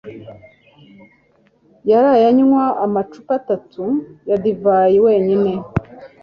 yaraye anywa amacupa atatu ya divayi wenyine